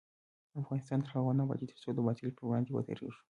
افغانستان تر هغو نه ابادیږي، ترڅو د باطل پر وړاندې ودریږو.